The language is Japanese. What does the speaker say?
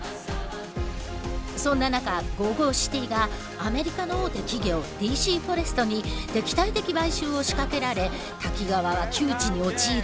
そんな中ＧＯＧＯＣＩＴＹがアメリカの大手企業ＤＣフォレストに敵対的買収を仕掛けられ滝川は窮地に陥る。